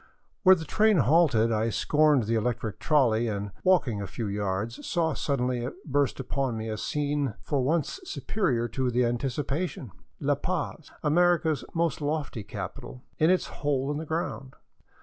Where the train halted I scorned the electric trolley and, walking a few yards, saw suddenly burst upon me a scene for once superior to the anticipation, — La Paz, America's most lofty capital, in its hole in the ground.